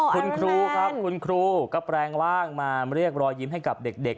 คุณครูครับคุณครูก็แปลงร่างมาเรียกรอยยิ้มให้กับเด็ก